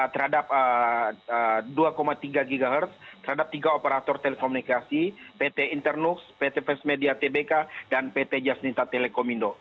terhadap dua tiga ghz terhadap tiga operator telekomunikasi pt internux pt first media tbk dan pt jasninta telekomindo